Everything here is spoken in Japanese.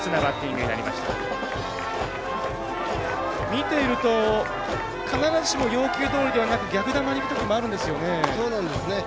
見ていると、必ずしも要求どおりではなく逆球にいくときもあるんですよね。